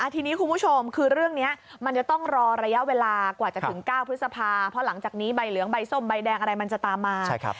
ทีนี้คุณผู้ชมคือเรื่องนี้มันจะต้องรอระยะเวลากว่าจะถึง๙พฤษภาเพราะหลังจากนี้ใบเหลืองใบส้มใบแดงอะไรมันจะตามมา